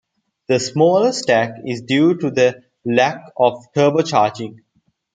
The smaller stack is due to the lack of turbocharging.